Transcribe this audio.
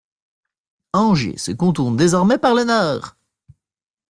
Angers se contourne désormais par le nord.